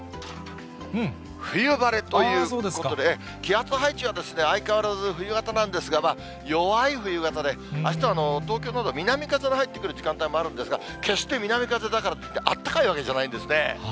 冬晴れということで、気圧配置は相変わらず冬型なんですが、弱い冬型で、あしたは東京など南風の入ってくる時間帯もあるんですが、決して南風だからといって、あったかいわけじゃないんですね。